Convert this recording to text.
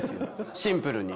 シンプルに。